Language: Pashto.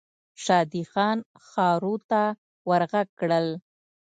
شادي خان ښارو ته ور ږغ کړل.